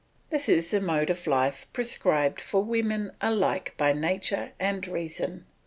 This is the mode of life prescribed for women alike by nature and reason.